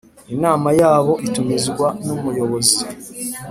Inama yabo itumizwa n umuyobozi